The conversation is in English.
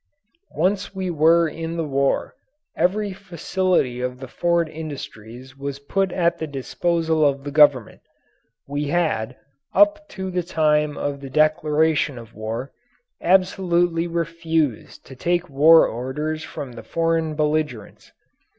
Once we were in the war, every facility of the Ford industries was put at the disposal of the Government. We had, up to the time of the declaration of war, absolutely refused to take war orders from the foreign belligerents.